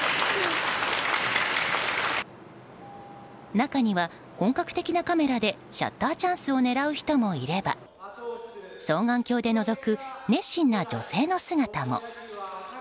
中には、本格的なカメラでシャッターチャンスを狙う人もいれば双眼鏡でのぞく熱心な女性の姿も。